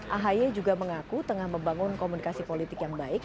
ahy juga mengaku tengah membangun komunikasi politik yang baik